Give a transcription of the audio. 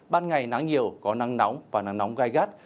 ban ngày nắng nhiều có nắng nóng và nắng nóng gai gắt